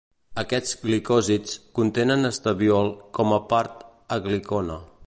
Aquests glicòsids contenen esteviol com a part aglicona.